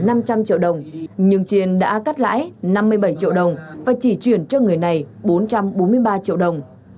chiên đã trả lời năm trăm linh triệu đồng nhưng chiên đã cắt lãi năm mươi bảy triệu đồng và chỉ chuyển cho người này bốn trăm bốn mươi ba triệu đồng